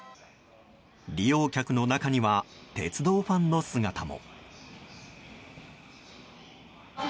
利用客の中には鉄道ファンの姿も。